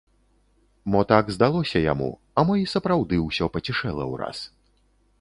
Мо так здалося яму, а мо й сапраўды ўсё пацішэла ўраз?